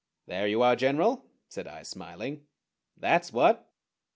"There you are, General," said I, smiling, "that's what!"